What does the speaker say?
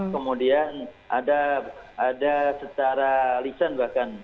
kemudian ada secara lisan bahkan